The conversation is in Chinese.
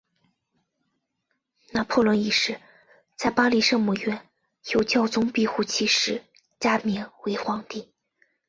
拿破仑一世在巴黎圣母院由教宗庇护七世加冕为皇帝。